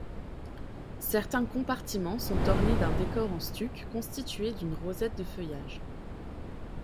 Certains compartiments sont ornés d'un décor en stuc constitué d'une rosette de feuillages.